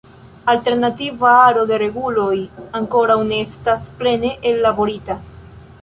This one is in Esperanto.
Alternativa aro de reguloj ankoraŭ ne estas plene ellaborita.